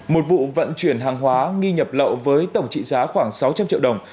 một vụ vận chuyển hàng hóa nghi nhập lậu với tổng trị giá khoảng sáu trăm linh triệu đồng